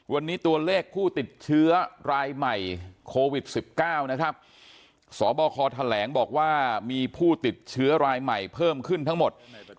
วันนี้ตัวเลขผู้ติดเชื้อรายใหม่โควิด๑๙นะครับสบคแถลงบอกว่ามีผู้ติดเชื้อรายใหม่เพิ่มขึ้นทั้งหมด